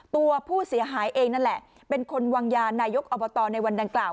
ตัวผู้เสียหายเองนั่นแหละเป็นคนวางยานายกอบตในวันดังกล่าว